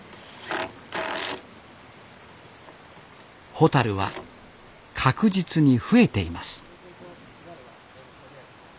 ホタルは確実に増えています